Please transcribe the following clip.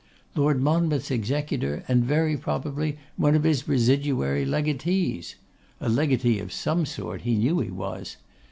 Lord Monmouth's executor, and very probably one of his residuary legatees! A legatee of some sort he knew he was.